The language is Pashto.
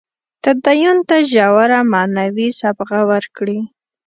تدین ته ژوره معنوي صبغه ورکړي.